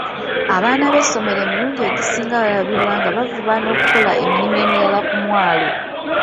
Abaana b'essomero emirundi egisinga balabibwa nga bavuba n'okukola emirimu emirala ku mwalo.